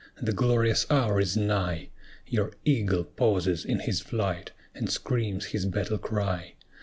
The glorious hour is nigh, Your eagle pauses in his flight, And screams his battle cry.